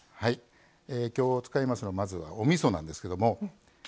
きょう使いますのはまずはおみそなんですけども。